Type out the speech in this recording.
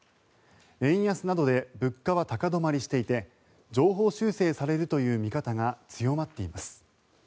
円安などで物価は高止まりしていて上方修正されるという見方が強まっています。